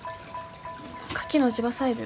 カキの地場採苗。